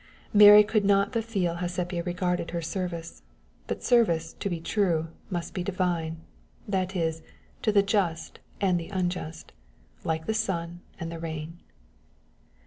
Mary could not but feel how Sepia regarded her service, but service, to be true, must be divine, that is, to the just and the unjust, like the sun and the rain.